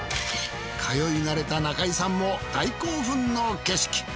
通いなれた中井さんも大興奮の景色。